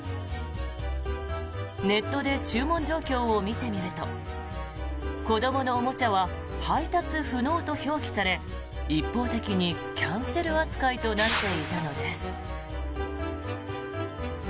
ネットで注文状況を見てみると子どものおもちゃは配達不能と表記され一方的にキャンセル扱いとなっていたのです。